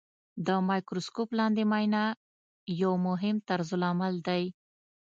د مایکروسکوپ لاندې معاینه یو مهم طرزالعمل دی.